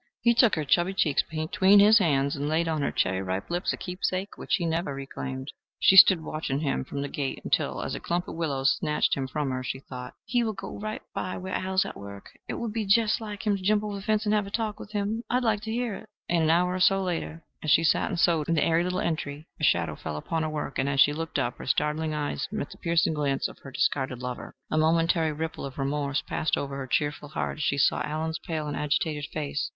He took her chubby cheeks between his hands and laid on her cherry ripe lips a keepsake which he never reclaimed. She stood watching him from the gate until, as a clump of willows snatched him from her, she thought, "He will go right by where Al is at work. It would be jest like him to jump over the fence and have a talk with him. I'd like to hear it." An hour or so later, as she sat and sewed in the airy little entry, a shadow fell upon her work, and as she looked up her startled eyes met the piercing glance of her discarded lover. A momentary ripple of remorse passed over her cheerful heart as she saw Allen's pale and agitated face.